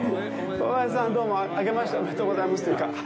小林さん、どうもあけましておめでとうございます。